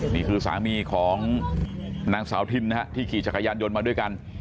นี่คือสามีของนางสาวทินนะฮะที่ขี่จักรยานยนต์มาด้วยกัน